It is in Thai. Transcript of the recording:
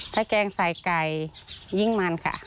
ถ้าแกงใส่ไก่ยิ่งมันค่ะ